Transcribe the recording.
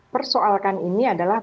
persoalkan ini adalah